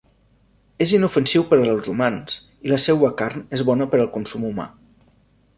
És inofensiu per als humans i la seua carn és bona per al consum humà.